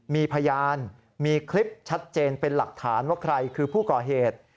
มีพยานมีคลิปชัดเจนเป็นหลักฐานว่าใครคือผู้ก่อเหตุ